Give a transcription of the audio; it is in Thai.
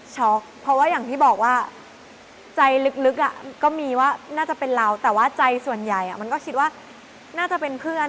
เพราะว่าอย่างที่บอกว่าใจลึกก็มีว่าน่าจะเป็นเราแต่ว่าใจส่วนใหญ่มันก็คิดว่าน่าจะเป็นเพื่อน